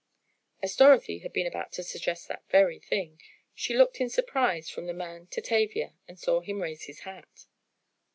As Dorothy had been about to suggest that very thing, she looked in surprise from the man to Tavia and saw him raise his hat.